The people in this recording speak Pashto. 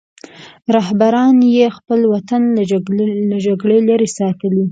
رهبرانو یې خپل وطن له جګړې لرې ساتلی.